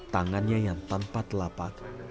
tangannya yang tanpa telapak